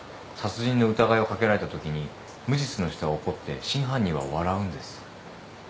殺人の疑いをかけられたときに無実の人は怒って真犯人は笑うんです。